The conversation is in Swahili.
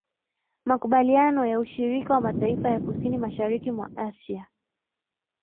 Makubaliano ya Ushirika wa Mataifa ya Kusini Mashariki mwa Asia